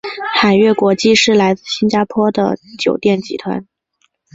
海悦国际是来自新加坡的酒店集团。